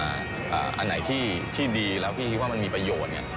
อันไหนที่ดีแล้วพี่คิดว่ามันมีประโยชน์